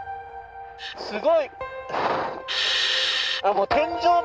すごい。